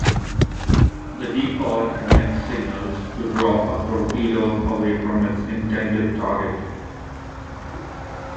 The decoy emits signals to draw a torpedo away from its intended target.